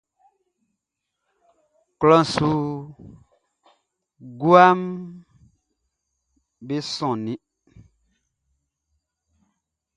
Klɔʼn su guaʼm be sonnin.